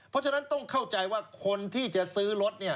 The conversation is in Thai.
เพราะฉะนั้นต้องเข้าใจว่าคนที่จะซื้อรถ